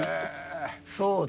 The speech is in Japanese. そうだ。